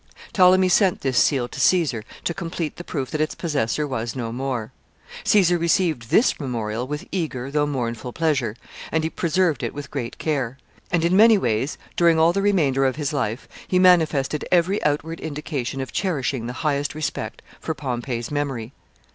Ptolemy sent this seal to Caesar to complete the proof that its possessor was no more. Caesar received this memorial with eager though mournful pleasure, and he preserved it with great care. And in many ways, during all the remainder of his life, he manifested every outward indication of cherishing the highest respect for Pompey's memory.